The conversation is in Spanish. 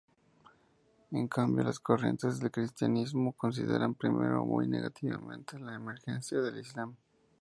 En cambio las corrientes del cristianismo consideraron primero muy negativamente la emergencia del islam.